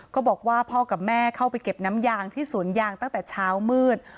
ก็บอกว่าพ่อกับแม่เข้าไปเก็บน้ำยางที่สวนยางตั้งแต่เช้ามืด